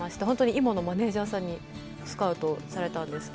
今のマネージャーさんにスカウトされたんです。